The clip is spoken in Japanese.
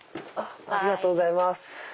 ありがとうございます。